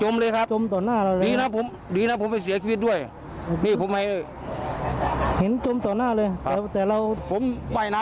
มาอุ้มหอยมาอุ้มหอยหาหอยกัน